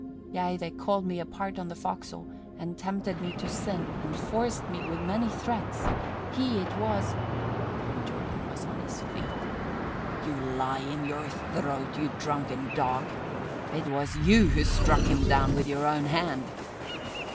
Yea, they called me apart on the forecastle and tempted me to sin and forced me with many threats. He it was " Tom Jordan was on his feet. "You lie in your throat, you drunken dog! It was you who struck him down with your own hand!"